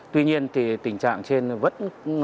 tuy nhiên tình trạng trên vẫn